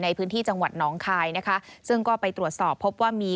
ในพื้นที่จังหวัดน้องคายนะคะซึ่งก็ไปตรวจสอบพบว่ามี